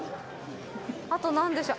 あと何でしょう。